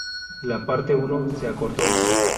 La parte I se acortó.